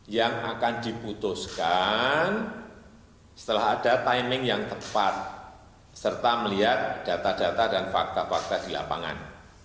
yang akan diputuskan setelah ada timing yang tepat serta melihat data data dan fakta fakta di lapangan